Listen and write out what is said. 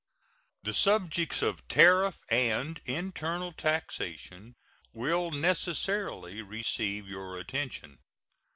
The subjects of tariff and internal taxation will necessarily receive your attention.